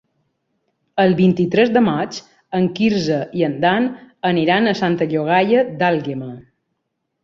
El vint-i-tres de maig en Quirze i en Dan aniran a Santa Llogaia d'Àlguema.